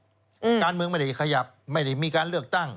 การเมืองไม่ได้ขยับไม่ได้มีการเลือกตั้ง